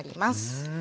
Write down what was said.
うん。